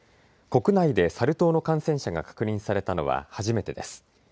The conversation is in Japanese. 国内でサル痘の感染者が確認されたのは初めてです。